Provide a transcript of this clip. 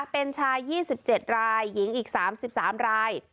เป็นชายยี่สิบเจ็ดรายหญิงอีกสามสิบสามราย